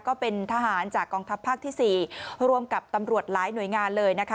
ก็เป็นทหารจากกองทัพภาคที่๔ร่วมกับตำรวจหลายหน่วยงานเลยนะคะ